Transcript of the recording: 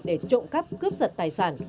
để trộm cắp cướp giật tài sản